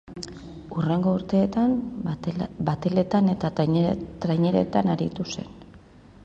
Hurrengo urteetan bateletan eta trainerilletan aritu zen.